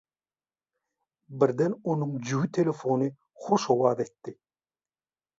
Birden onuň jübi telefony hoş owaz etdi.